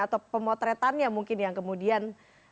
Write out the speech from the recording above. atau pemotretannya mungkin yang kemudian